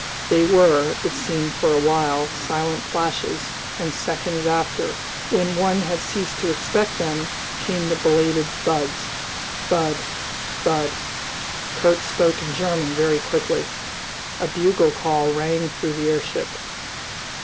They were, it seemed for a while, silent flashes, and seconds after, when one had ceased to expect them, came the belated thuds thud, thud. Kurt spoke in German, very quickly. A bugle call rang through the airship.